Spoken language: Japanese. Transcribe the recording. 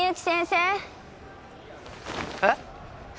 えっ！？